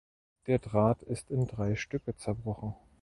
Der Draht ist in drei Stücke zerbrochen.